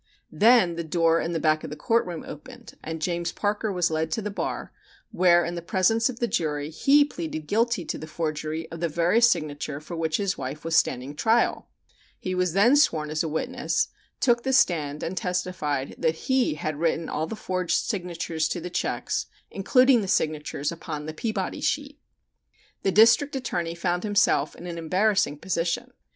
Then the door in the back of the court room opened and James Parker was led to the bar, where in the presence of the jury he pleaded guilty to the forgery of the very signature for which his wife was standing trial. (Kauser check, Fig. 6.) He was then sworn as a witness, took the stand and testified that he had written all the forged signatures to the checks, including the signatures upon "the Peabody sheet." The District Attorney found himself in an embarrassing position.